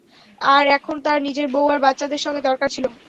আর এখন তার নিজের বউ আর বাচ্চাদের সঙ্গ দরকার ছিলো।